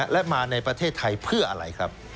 และมาในประเทศไทยเพื่ออะไรครับ